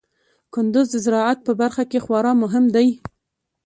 کندز د زراعت په برخه کې خورا مهم دی.